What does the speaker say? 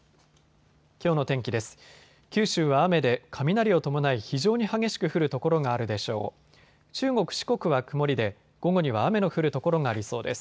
きょうの天気です。